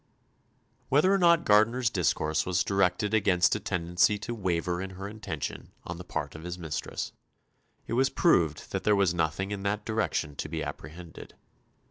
Whether or not Gardiner's discourse was directed against a tendency to waver in her intention on the part of his mistress, it was proved that there was nothing in that direction to be apprehended.